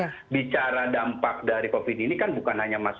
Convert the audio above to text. karena bicara dampak dari covid ini kan bukan hanya vaksin